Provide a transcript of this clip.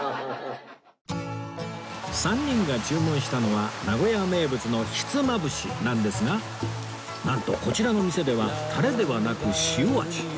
３人が注文したのは名古屋名物のひつまぶしなんですがなんとこちらの店ではタレではなく塩味